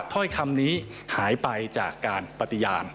ถ้อยคำนี้หายไปจากการปฏิญาณ